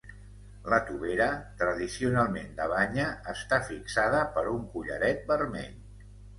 La tovera, tradicionalment de banya, està fixada per un collaret vermell.